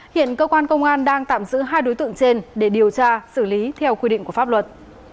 hiện cơ quan công an đang tạm giữ hai đối tượng trên để điều tra xử lý theo quy định của pháp luật